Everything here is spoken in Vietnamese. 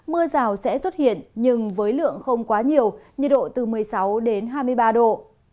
mưa rào sẽ xuất hiện nhưng với lượng không quá nhiều nhiệt độ từ một mươi sáu đến hai mươi ba độ